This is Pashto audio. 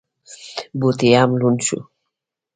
بوټ یې هم لوند شو.